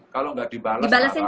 kalau nggak dibalas balas gitu kan